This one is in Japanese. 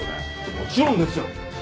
もちろんですよ！